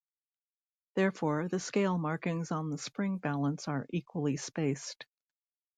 Therefore, the scale markings on the spring balance are equally spaced.